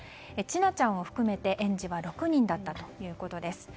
千奈ちゃんを含めて園児は６人だったということです。